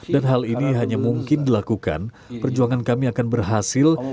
dan hal ini hanya mungkin dilakukan perjuangan kami akan berhasil